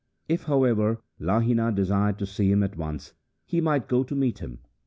If, however, Lahina desired to see him at once, he might go to meet him.